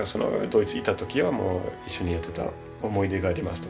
ドイツ行った時はもう一緒にやってた思い出があります。